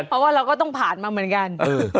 เพราะว่าเราก็ต้องผ่านมาเหมือนกัน